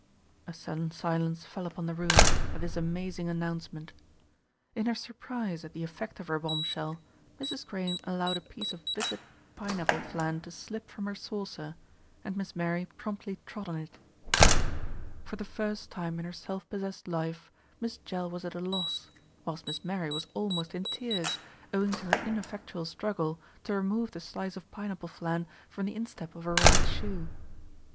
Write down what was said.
A sudden silence fell upon the room at this amazing announcement. In her surprise at the effect of her bombshell, Mrs. Crane allowed a piece of viscid pine apple flan to slip from her saucer, and Miss Mary promptly trod on it. 114 THE RETURN OF ALFRED For the first time in her self possessed life, Miss Jell was at a loss, whilst Miss Mary was almost in tears, owing to her ineffectual struggle to remove the slice of pineapple flan from the instep of her right shoe.